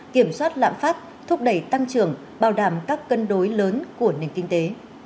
kiểm soát lạm phát thúc đẩy tăng trưởng bảo đảm các cân đối lớn của nền kinh tế